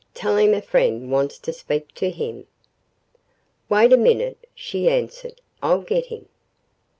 "Tell him a friend wants to speak to him." "Wait a minute," she answered. "I'll get him."